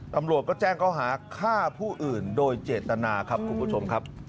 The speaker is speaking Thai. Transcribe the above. ตำรวจก็แจ้งเขาหาฆ่าผู้อื่นโดยเจตนาครับคุณผู้ชมครับ